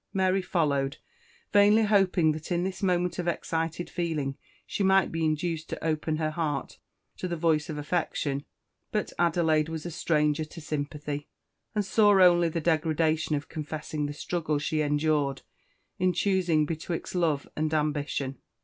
Mary followed, vainly hoping that in this moment of excited feeling she might be induced to open her heart to the voice of affection; but Adelaide was a stranger to sympathy, and saw only the degradation of confessing the struggle she endured in choosing betwixt love and ambition.